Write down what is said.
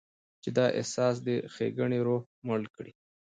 چې دا احساس دې د ښېګڼې روح مړ کړي.